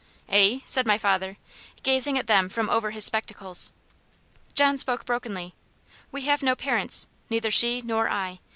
"Eh?" said my father, gazing at them from over his spectacles. John spoke brokenly, "We have no parents, neither she nor I.